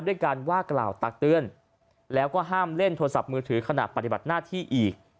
ด้วยการว่ากล่าวตักเตือนแล้วก็ห้ามเล่นโทรศัพท์มือถือขณะปฏิบัติหน้าที่อีก